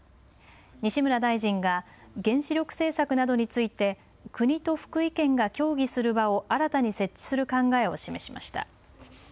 西村大臣が原子力政策などについて国と福井県が協議する場を新たに設置する考えを示しました。